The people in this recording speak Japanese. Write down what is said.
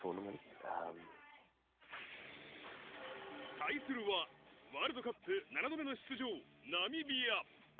対するはワールドカップ７度目の出場、ナミビア。